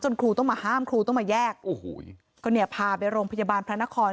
ครูต้องมาห้ามครูต้องมาแยกโอ้โหก็เนี่ยพาไปโรงพยาบาลพระนคร